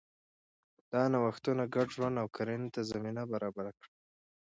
دا نوښتونه ګډ ژوند او کرنې ته زمینه برابره کړه.